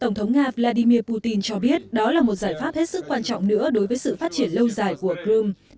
tổng thống nga vladimir putin cho biết đó là một giải pháp hết sức quan trọng nữa đối với sự phát triển lâu dài của crimea